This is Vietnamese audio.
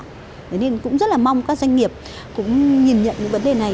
thế nên cũng rất là mong các doanh nghiệp cũng nhìn nhận những vấn đề này